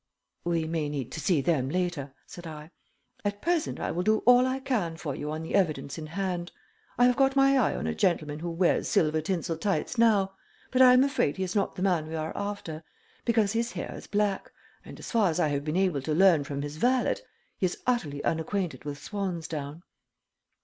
"We may need to see them later," said I. "At present I will do all I can for you on the evidence in hand. I have got my eye on a gentleman who wears silver tinsel tights now, but I am afraid he is not the man we are after, because his hair is black, and, as far as I have been able to learn from his valet, he is utterly unacquainted with swan's down."